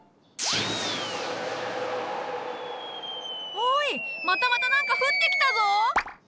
おいまたまた何か降ってきたぞ！